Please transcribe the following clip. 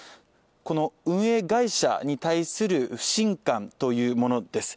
この運営会社に対する不信感というものです